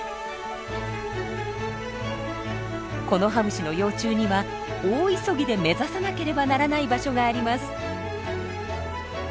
コノハムシの幼虫には大急ぎで目指さなければならない場所があります。